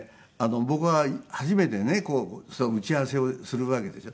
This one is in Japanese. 僕は初めてね打ち合わせをするわけでしょ。